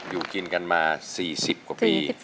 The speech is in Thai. อยู่กินกันมา๔๐กว่าปี